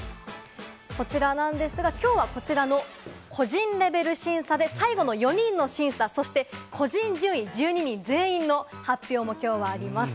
こちらなんですが、きょうはこちらの個人レベル審査で最後の４人の審査、そして、個人順位１２人の全員の発表もきょうはあります。